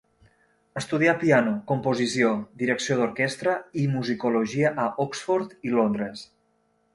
Estudià piano, composició, direcció d'orquestra i musicologia a Oxford i Londres.